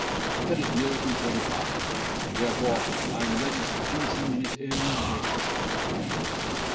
But that is no concern of mine, and therefore I am ready to please him in his own way."